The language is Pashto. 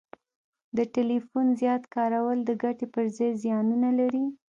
د ټلیفون زیات کارول د ګټي پر ځای زیانونه لري